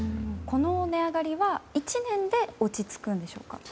この値上がりは１年で落ち着くんでしょうか？